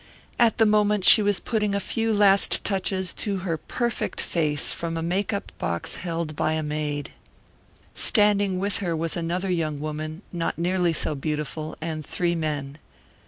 At the moment she was putting a few last touches to her perfect face from a make up box held by a maid. Standing with her was another young woman, not nearly so beautiful, and three men.